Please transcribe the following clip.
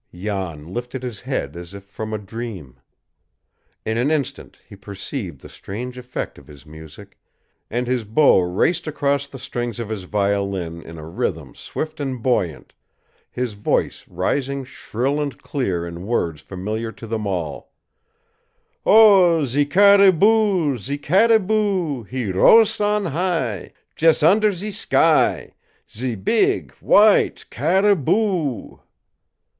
Jan lifted his head as if from a dream. In an instant he perceived the strange effect of his music, and his bow raced across the strings of his violin in a rhythm swift and buoyant, his voice rising shrill and clear in words familiar to them all: "Oh, ze cariboo oo oo, ze cariboo oo oo, He roas' on high, Jes' under ze sky, Ze beeg white cariboo oo oo!"